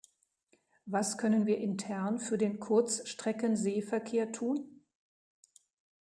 Was können wir intern für den Kurzstreckenseeverkehr tun?